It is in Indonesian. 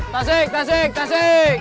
tasik tasik tasik